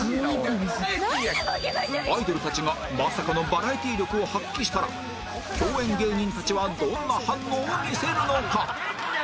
アイドルたちがまさかのバラエティ力を発揮したら共演芸人たちはどんな反応を見せるのか？